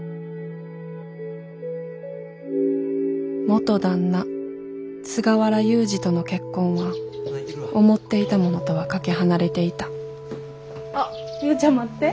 元旦那・菅原祐二との結婚は思っていたものとはかけ離れていたあっ祐ちゃん待って。